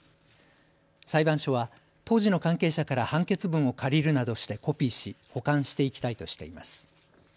裁判所は当時の関係者から判決文を借りるなどしてコピーし保管していきたいとしています。